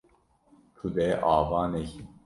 Tu dê ava nekî.